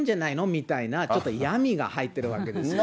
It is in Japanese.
みたいな、ちょっと嫌味が入ってるわけですね。